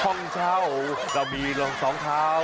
ห้องเช่าเรามีรองทรองเท้า